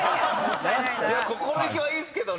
心意気はいいっすけど。